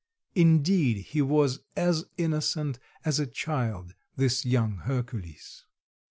Indeed he was as innocent as a child, this young Hercules.